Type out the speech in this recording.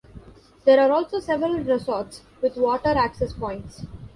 There are also several resorts with water access points.